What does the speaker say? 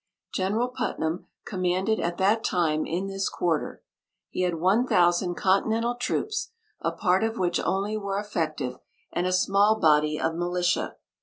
General Putnam commanded at that time in this quarter. He had one thousand continental troops, a part of which only were effective, and a small body of militia.